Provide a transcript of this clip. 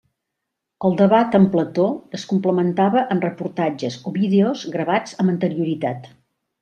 El debat en plató es complementava amb reportatges o vídeos gravats amb anterioritat.